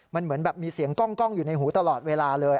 มันเหมือนแบบมีเสียงกล้องอยู่ในหูตลอดเวลาเลย